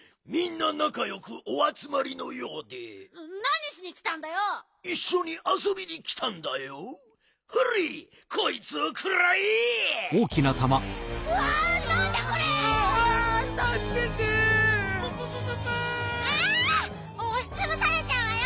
あっおしつぶされちゃうわよ！